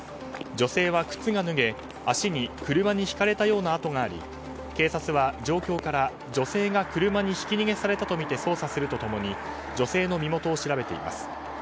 女性は靴が脱げ足に車にひかれたような痕があり警察は状況から女性が車にひき逃げされたとみて捜査すると共に女性の身元を調べています。